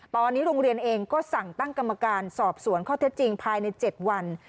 ตอนนี้โรงเรียนเองก็สั่งตั้งกรรมการสอบสวนข้อเท็จจริงภายใน๗วัน